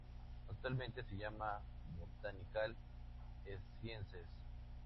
Actualmente se llama "Botanical Sciences".